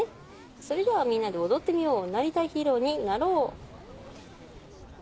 それではみんなで踊ってみようなりたいヒーローになろう！